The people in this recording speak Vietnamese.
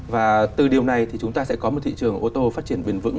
và từ điều này thì chúng ta sẽ có một thị trường ô tô phát triển bền vững